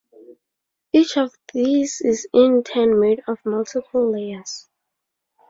Each of these is in turn made of multiple layers.